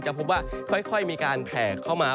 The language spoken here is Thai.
พบว่าค่อยมีการแผ่เข้ามา